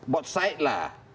buat side lah